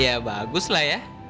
iya baguslah ya